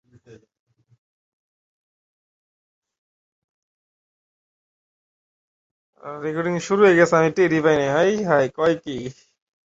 এ ধরনের নেটওয়ার্কের গঠন বেশ জটিল এবং সাধারণত বিশাল ভৌগোলিক এলাকা নিয়ে বিস্তৃত।